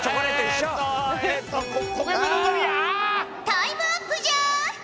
タイムアップじゃ！